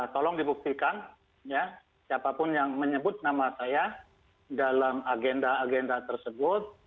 tolong dibuktikan siapapun yang menyebut nama saya dalam agenda agenda tersebut